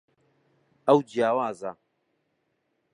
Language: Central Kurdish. ئەو جیاوازە.